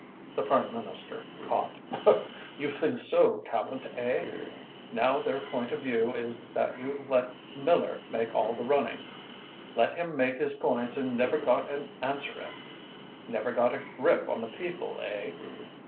The Prime Minister coughed. "You think so, Tallente, eh? Now their point of view is that you let Miller make all the running, let him make his points and never got an answer in never got a grip on the people, eh?"